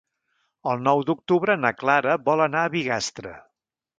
El nou d'octubre na Clara vol anar a Bigastre.